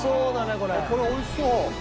これ美味しそう。